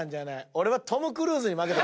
俺は。